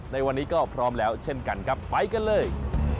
ในวันนี้ก็พร้อมแล้วเช่นกันครับไปกันเลย